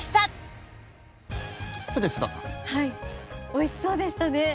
おいしそうでしたね。